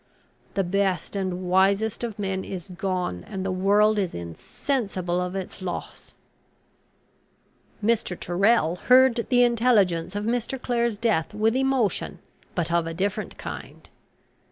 The best and wisest of men is gone, and the world is insensible of its loss!" Mr. Tyrrel heard the intelligence of Mr. Clare's death with emotion, but of a different kind.